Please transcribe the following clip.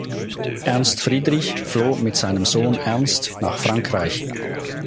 Ernst Friedrich floh mit seinem Sohn Ernst nach Frankreich.